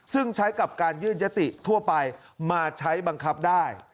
ซึ่งใช้กับการยื่นยติทั่วไปมาใช้บังคับได้